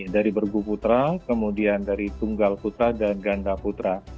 dari bergu putra kemudian dari tunggal putra dan ganda putra